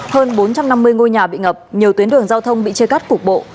hơn bốn trăm năm mươi ngôi nhà bị ngập nhiều tuyến đường giao thông bị chia cắt cục bộ